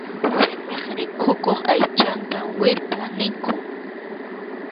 Simip rikukuq aychanta wirpʼa ninkum.